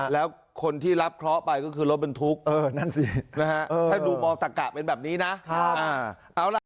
แล้วคนที่รับเค้าไปก็คือรถเป็นทุกข์ถ้าดูมองตะกะเป็นแบบนี้นะ